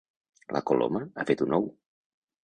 La coloma ha fet un ou.